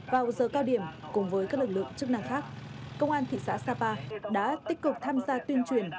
vào giờ cao điểm cùng với các lực lượng chức năng khác công an thị xã sapa đã tích cực tham gia tuyên truyền